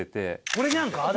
これじゃん？